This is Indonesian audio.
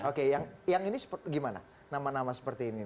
oke yang ini gimana nama nama seperti ini